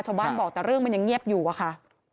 ชาวบ้านบอกแต่เรื่องมันยังเงียบอยู่อะค่ะ